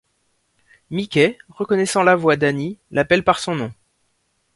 Mickey, reconnaissant la voix d'Annie, l'appelle par son nom.